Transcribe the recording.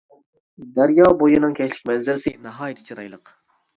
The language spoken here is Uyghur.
دەريا بۇيىنىڭ كەچلىك مەنزىرىسى ناھايىتى چىرايلىق.